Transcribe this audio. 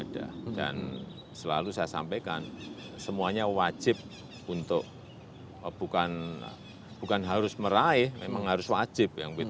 dan selalu saya sampaikan semuanya wajib untuk bukan harus meraih memang harus wajib yang wtp itu